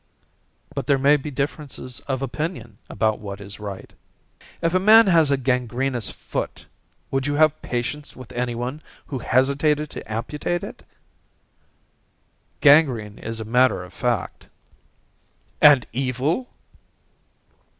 "But there may be differences of opinion about what is right." "If a man had a gangrenous foot would you have patience with anyone who hesitated to amputate it?" "Gangrene is a matter of fact." "And Evil?"